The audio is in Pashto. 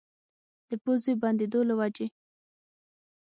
د پوزې بندېدو له وجې